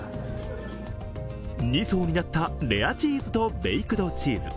２層になったレアチーズとベイクドチーズ。